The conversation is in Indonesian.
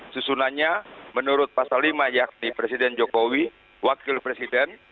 susunannya menurut pasal lima yakni presiden jokowi wakil presiden